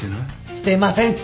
してませんって！